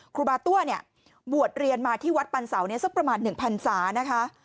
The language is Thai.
ครูบาตั้วเนี่ยววดเรียนมาที่วัดปันเสาร์เนี่ยสักประมาณ๑๐๐๐สานะคะ